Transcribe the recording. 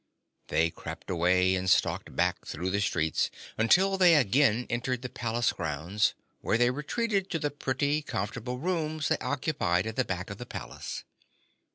They crept away and stalked back through the streets until they again entered the palace grounds, where they retreated to the pretty, comfortable rooms they occupied at the back of the palace.